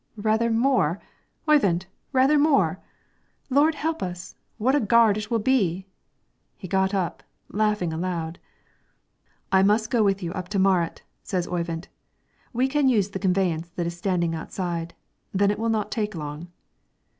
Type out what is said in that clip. "Rather more? Oyvind, rather more! Lord help us, what a gard it will be!" He got up, laughing aloud. "I must go with you up to Marit," says Oyvind. "We can use the conveyance that is standing outside, then it will not take long."